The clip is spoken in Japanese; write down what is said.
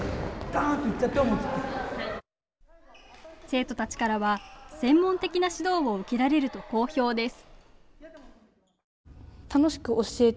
生徒たちからは専門的な指導を受けられると好評です。